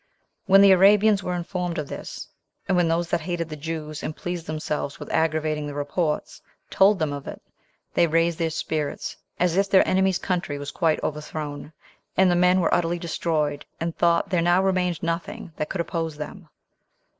When the Arabians were informed of this, and when those that hated the Jews, and pleased themselves with aggravating the reports, told them of it, they raised their spirits, as if their enemy's country was quite overthrown, and the men were utterly destroyed, and thought there now remained nothing that could oppose them.